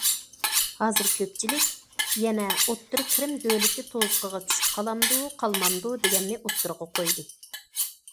ھازىر كۆپچىلىك يەنە ئوتتۇرا كىرىم دۆلىتى تۇزىقىغا چۈشۈپ قالامدۇ قالمامدۇ دېگەننى ئوتتۇرىغا قويدى.